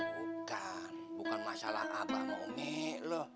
bukan bukan masalah apa sama umi loh